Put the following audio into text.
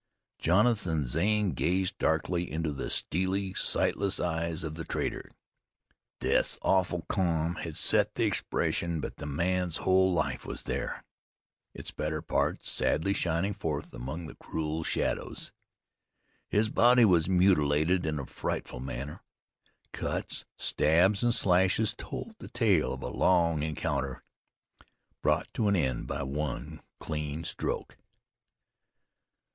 Jonathan Zane gazed darkly into the steely, sightless eyes of the traitor. Death's awful calm had set the expression; but the man's whole life was there, its better part sadly shining forth among the cruel shadows. His body was mutilated in a frightful manner. Cuts, stabs, and slashes told the tale of a long encounter, brought to an end by one clean stroke.